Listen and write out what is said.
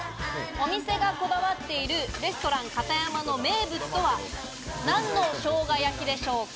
お店がこだわっているレストランカタヤマの名物とは何のショウガ焼きでしょうか。